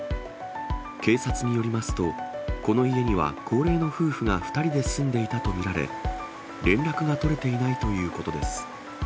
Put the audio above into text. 警察によりますと、この家には高齢の夫婦が２人で住んでいたと見られ、連絡が取れていないということです。